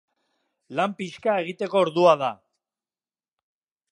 Lan pixka egiteko ordua da.